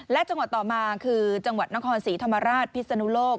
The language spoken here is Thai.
และจังหวัดต่อมาคือจังหวัดนครศรีธรรมราชพิศนุโลก